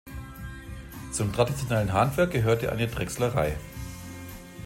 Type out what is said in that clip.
Zum traditionellen Handwerk gehörte eine Drechslerei.